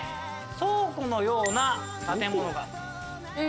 倉庫のような建物。